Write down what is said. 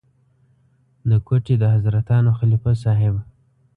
د کوټې د حضرتانو خلیفه صاحب.